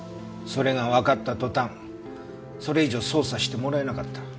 それがわかった途端それ以上捜査してもらえなかった。